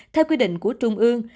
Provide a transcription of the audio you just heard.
theo quy định của trung ương